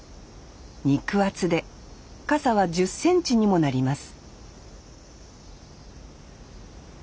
肉厚でかさは１０センチにもなります